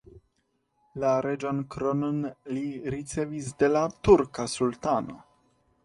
La reĝan kronon li ricevis de la turka sultano.